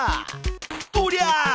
とりゃ！